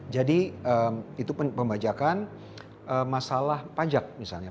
jadi itu pembajakan masalah pajak misalnya